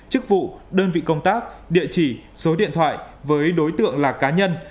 chức vụ đơn vị công tác địa chỉ số điện thoại với đối tượng là cá nhân